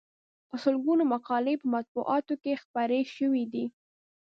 په سلګونو مقالې یې په مطبوعاتو کې خپرې شوې دي.